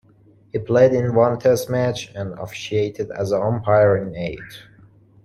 He played in one Test match and officiated as an umpire in eight.